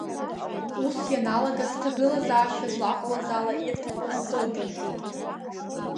Ус ианалага, сҭагылазаашьа злаҟаз ала, ирҭахыз сылдыршон.